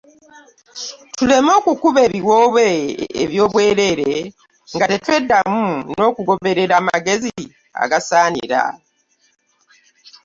Tuleme okukuba ebiwoobe eby'obwereere nga tetweddamu n'okugoberera amagezi agasaanira.